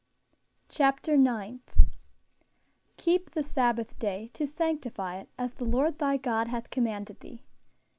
CHAPTER NINTH "Keep the Sabbath day to sanctify it, as the Lord thy God hath commanded thee."